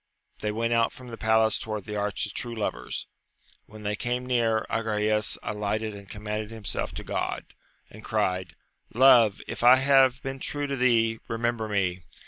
They went out from the palace towards the Arch of True Lovers. When they came near, Agrayes alighted and commended himself to Grod, and cried. Love, if I have been true to thee, remember me